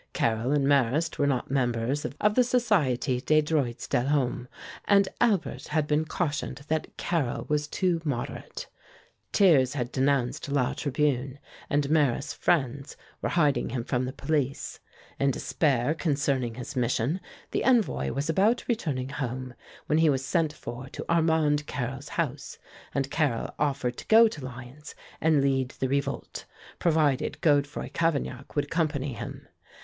Carrel and Marrast were not members of the Société des Droits de l'Homme, and Albert had been cautioned that Carrel was too moderate. Thiers had denounced 'La Tribune,' and Marrast's friends were hiding him from the police. In despair concerning his mission, the envoy was about returning home, when he was sent for to Armand Carrel's house, and Carrel offered to go to Lyons and lead the revolt, provided Godefroi Cavaignac would accompany him.